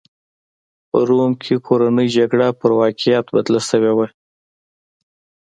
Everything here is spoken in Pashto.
په روم کې کورنۍ جګړه پر واقعیت بدله شوې وه.